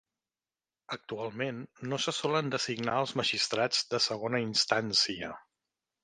Actualment, no se solen designar els magistrats de segona instància.